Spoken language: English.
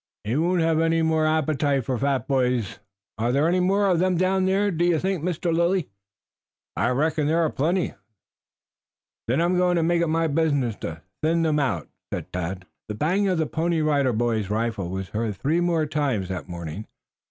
"He won't have any more appetite for fat boys. Are there any more of them down there, do you think, Mr. Lilly?" "I reckon there are plenty there." "Then I am going to make it my business to thin them out," said Tad. The bang of the Pony Rider Boy's rifle was heard three more times that morning.